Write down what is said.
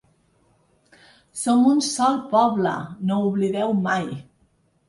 Som un sol poble, no ho oblideu mai.